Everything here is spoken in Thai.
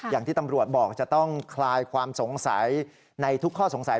อย่างที่ตำรวจบอกจะต้องคลายความสงสัยในทุกข้อสงสัย